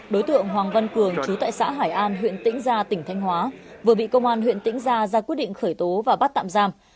đối tượng hoàng văn cường chú tại xã hải an huyện tĩnh gia tỉnh thanh hóa vừa bị công an huyện tĩnh gia ra quyết định khởi tố và bắt tạm giam